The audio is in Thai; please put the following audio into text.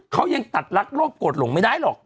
เขายังตัดรักโลกโกรธหลงไม่ได้หรอก